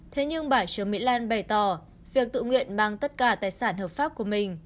thế nhưng bà trương mỹ lan bày tỏ việc tự nguyện mang tất cả tài sản hợp pháp của mình